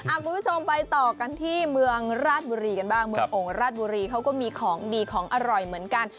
คุณผู้ชมไปต่อกันที่เมืองราชบุรีกันบ้างเมืองโอ่งราชบุรีเขาก็มีของดีของอร่อยเหมือนกัน